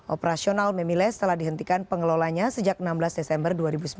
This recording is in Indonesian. operasional memiles telah dihentikan pengelolanya sejak enam belas desember dua ribu sembilan belas